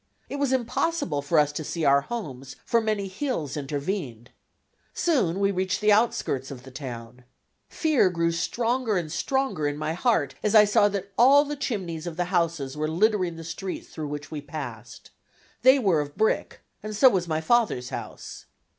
It was impossible for us to see our homes, for many hills intervened. Soon we reached the outskirts of the town. Fear grew stronger and stronger in my heart as I saw that all the chimneys of the houses were littering the streets through which we passed. They were of brick and so was my father's house.